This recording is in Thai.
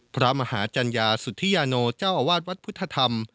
พระมหาจัญญาสุธิยาโนเจ้าอาวาสวัดพุทธธรรม